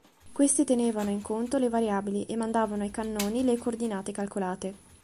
Questi tenevano in conto le variabili e mandavano ai cannoni le coordinate calcolate.